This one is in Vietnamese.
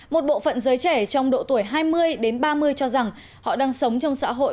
một bộ phận giới trẻ trong độ tuổi hai mươi đến ba mươi cho rằng họ đang sống trong xã hội